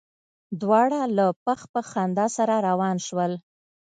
دواړه له پخ پخ خندا سره روان شول.